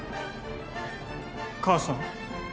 母さん？